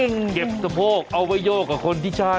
ต้องโยกแบบคุณชนะนี่ครับคุณพุทธคอมดูสิคะ